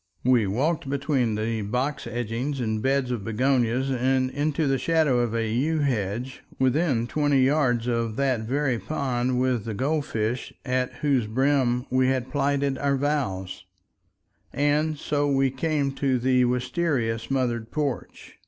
We walked between the box edgings and beds of begonias and into the shadow of a yew hedge within twenty yards of that very pond with the gold fish, at whose brim we had plighted our vows, and so we came to the wistaria smothered porch.